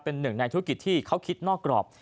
เป็นหนึ่งในธุรกิจที่เขาคิดนอกกรอบ